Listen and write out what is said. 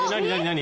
何？